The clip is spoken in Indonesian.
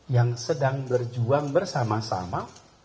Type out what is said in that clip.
yang sedang berjuang bersama sama